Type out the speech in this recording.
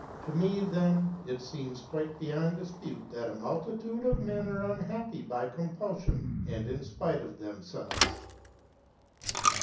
To me, then, it seems quite beyond dispute that a multitude of men are unhappy by compulsion and in spite of themselves.